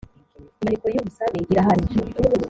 inyandiko y ‘ubusabe irahari.